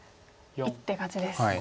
１手勝ちです。